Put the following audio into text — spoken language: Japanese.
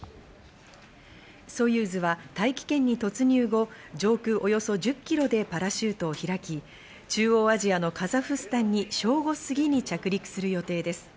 ソユーズは大気圏に突入後、上空およそ１０ｋｍでパラシュートを開き、中央アジアのカザフスタンに正午過ぎに着陸する予定です。